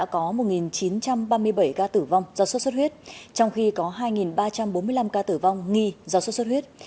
có một chín trăm ba mươi bảy ca tử vong do sốt xuất huyết trong khi có hai ba trăm bốn mươi năm ca tử vong nghi do sốt xuất huyết